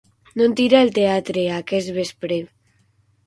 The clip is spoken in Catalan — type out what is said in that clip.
No em tira el teatre, aquest vespre.